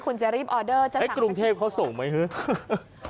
คุณจะรีบออเดอร์กรุงเทพเขาส่งรึไหม